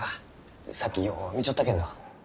さっきよう見ちょったけんど。